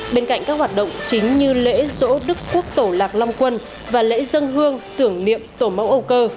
bên cạnh các hoạt động chính như lễ rỗ đức quốc tổ lạc long quân và lễ dân hương tưởng niệm tổ mẫu âu cơ